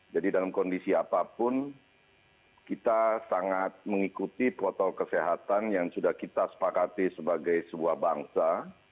jadi dalam kondisi apapun kita sangat mengikuti protokol kesehatan yang sudah kita sepakati sebagai sebuah bangsa